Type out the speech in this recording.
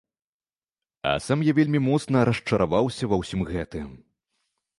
А сам я вельмі моцна расчараваўся ва ўсім гэтым.